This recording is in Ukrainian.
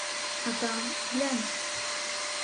А там — глянь!